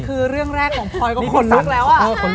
คือเรื่องแรกของพลอยก็ขนลุกแล้ว